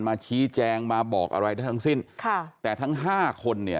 มาชี้แจงมาบอกอะไรได้ทั้งสิ้นแต่ทั้ง๕คน